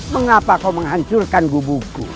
mengapa kau menghancurkan gubuku